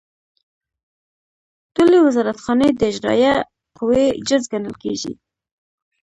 ټولې وزارتخانې د اجرائیه قوې جز ګڼل کیږي.